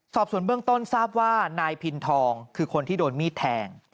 สอบส่วนเบื้องต้นทราบว่านายพินทองคือคนที่โดนมีดแทง